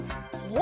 お！